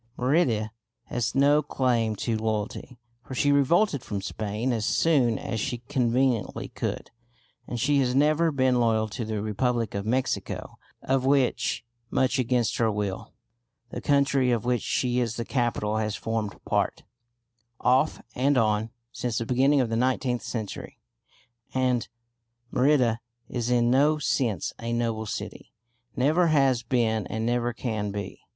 Merida has no claim to loyalty, for she revolted from Spain as soon as she conveniently could, and she has never been loyal to the Republic of Mexico, of which much against her will the country of which she is the capital has formed part, off and on, since the beginning of the nineteenth century. And Merida is in no sense a noble city; never has been and never can be.